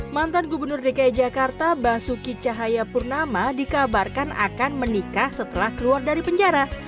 mantan gubernur dki jakarta basuki cahayapurnama dikabarkan akan menikah setelah keluar dari penjara